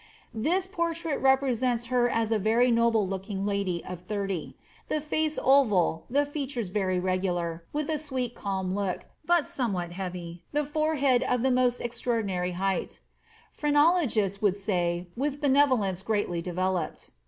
This portrait repro her as a very noble looking lady of thirty; the face oval, the es very regular, with a sweet calm look, but somewhat heavy, the aid of the most extraordinary height, — phrenologists would say i>enevolence greatly developed.